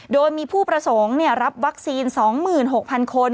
โดยมีผู้ประสงค์รับวัคซีน๒๖๐๐คน